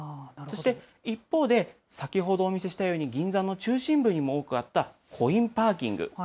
そして、一方で、先ほどお見せしたように銀座の中心部にも多くあったコインパーキング。